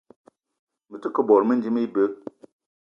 Me te ke bot mendim ibeu.